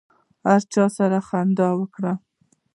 هر چا سره خندا وکړئ.